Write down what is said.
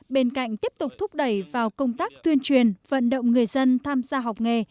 bên cạnh tiếp tục thúc đẩy vào công tác tuyên truyền vận động người dân tham gia học nghề